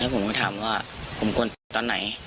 แล้วผมก็ถามว่าผมกลัวตอนไหน